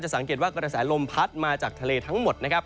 สังเกตว่ากระแสลมพัดมาจากทะเลทั้งหมดนะครับ